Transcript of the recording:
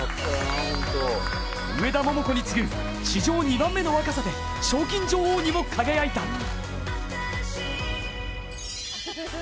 上田桃子に次ぐ史上２番目の若さで賞金女王にも輝いた。